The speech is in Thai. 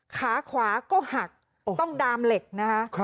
ขาขวาก็หักต้องดามเหล็กนะคะ